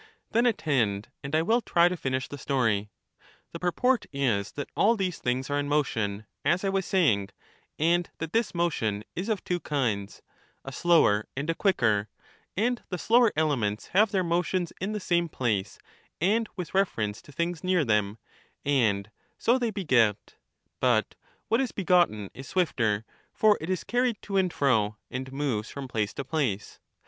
Then attend, and I will try to finish the story. The All things purport is that all these things are in motion, as I was saying; ^^^^^' and that this motion is of two kinds, a slower and a quicker ; slower and and the slower elements have their motions in the same place PfV^^^iSf^ *^ land. The and with reference to things near them, and so they beget ; slower ob but what is begotten is swifter, for it is carried to and fro, and J^^ ™*^^® moves from place to place.